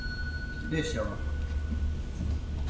Mitchell Anderson appeared as Ellen's youngest son, Sean.